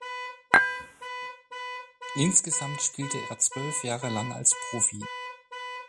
Insgesamt spielte er zwölf Jahre lang als Profi.